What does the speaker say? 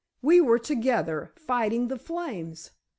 We were together, fighting the flames.